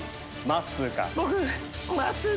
「まっすー